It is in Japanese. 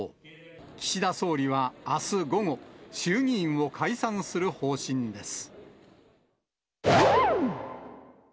岸田総理はあす午後、衆議院を解散する方針です。